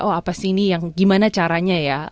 oh apa sih ini yang gimana caranya ya